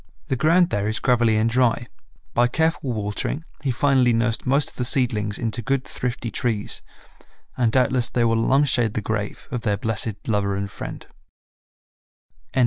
The ground there is gravelly and dry; by careful watering he finally nursed most of the seedlings into good, thrifty trees, and doubtless they will long shade the grave of their blessed lover and friend.